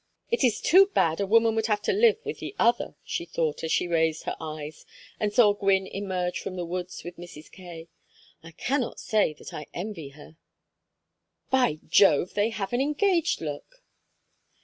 "It is too bad a woman would have to live with the other!" she thought, as she raised her eyes and saw Gwynne emerge from the woods with Mrs. Kaye. "I cannot say that I envy her." "By Jove, they have an engaged look!"